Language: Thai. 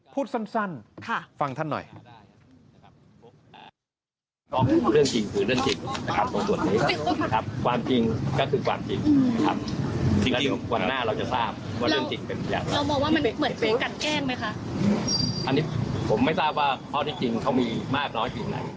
พูดสั้นฟังท่านหน่อย